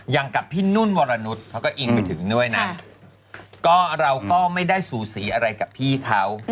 อย่างกับพี่นุ่นวรนุษย์เขาก็อิงไปถึงด้วยนะก็เราก็ไม่ได้สูสีอะไรกับพี่เขา